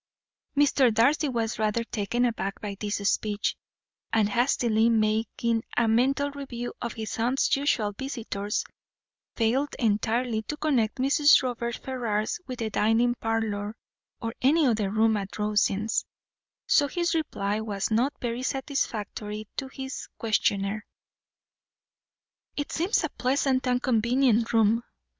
Mr. Darcy was rather taken aback by this speech, and hastily making a mental review of his aunt's usual visitors, failed entirely to connect Mrs. Robert Ferrars with the dining parlour, or any other room at Rosings; so his reply was not very satisfactory to his questioner. "It seems a pleasant and convenient room.